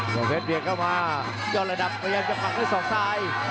เจมส์เพชรเดียงเข้ามายอดระดับกำลังจะปักด้วยสองซ้าย